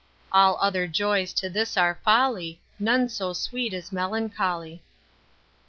All other joys to this are folly, None so sweet as melancholy.